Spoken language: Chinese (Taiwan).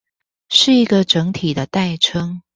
是一個整體的代稱